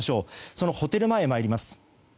そのホテル前に参ります。